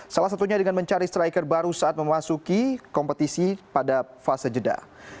salah satunya dengan mencari striker baru saat memasuki kompetisi pada fase jeda